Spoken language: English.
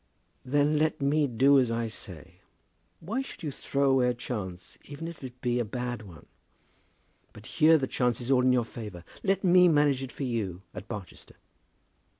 "Then let me do as I say. Why should you throw away a chance, even if it be a bad one? But here the chance is all in your favour. Let me manage it for you at Barchester."